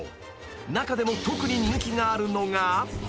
［中でも特に人気があるのが］